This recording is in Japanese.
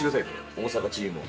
大阪チームを。